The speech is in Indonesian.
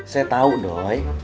saya tau doi